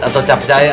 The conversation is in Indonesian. atau cap jahe